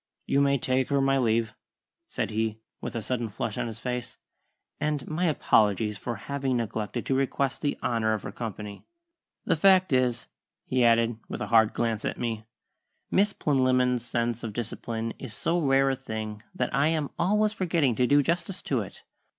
"You may take her my leave," said he, with a sudden flush on his face, "and my apologies for having neglected to request the honour of her company. The fact is," he added, with a hard glance at me, "Miss Plinlimmon's sense of discipline is so rare a thing that I am always forgetting to do justice to it.